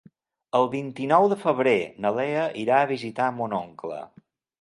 El vint-i-nou de febrer na Lea irà a visitar mon oncle.